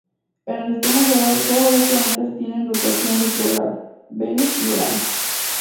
En el sistema solar solo dos planetas tienen rotación retrógrada: Venus y Urano.